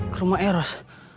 ke rumah eros